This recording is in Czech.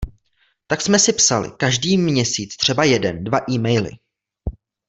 Tak jsme si psali, každý měsíc třeba jeden dva e-maily.